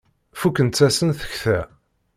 Fukent-asen tekta.